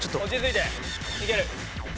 いける。